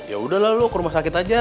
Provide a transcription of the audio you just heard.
ya udahlah lo ke rumah sakit aja